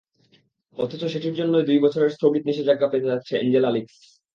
অথচ সেটির জন্যই দুই বছরের স্থগিত নিষেধাজ্ঞা পেতে হচ্ছে অ্যাঞ্জেলা লিকসকে।